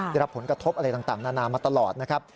ได้รับผลกระทบอะไรต่างนานามาตลอดนะครับ